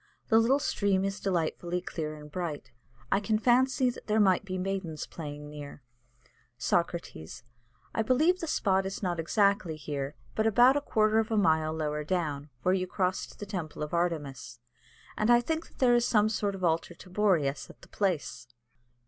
The little stream is delightfully clear and bright; I can fancy that there might be maidens playing near. "Socrates. I believe the spot is not exactly here, but about a quarter of a mile lower down, where you cross to the temple of Artemis, and I think that there is some sort of an altar of Boreas at the place.